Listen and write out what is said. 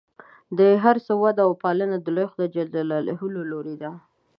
د هر څه وده او پالنه د لوی خدای له لورې ده.